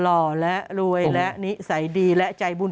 หล่อและรวยและนิสัยดีและใจบุญ